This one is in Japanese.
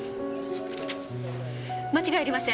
間違いありません。